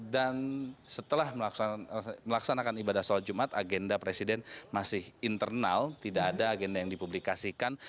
dan setelah melaksanakan ibadah sholat jumat agenda presiden masih internal tidak ada agenda yang dipublikasikan